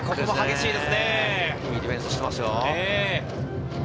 いいディフェンスしてますよ。